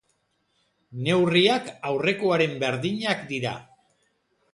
Neurriak aurrekoaren berdinak dira.